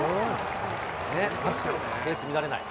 ペース乱れない。